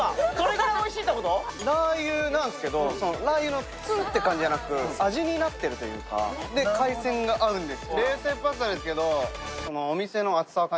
ラー油なんですけど、ラー油のツンって感じじゃなく味になっているというか、で、海鮮が合うんです。